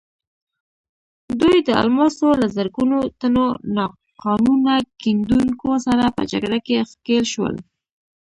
دوی د الماسو له زرګونو تنو ناقانونه کیندونکو سره په جګړه کې ښکېل شول.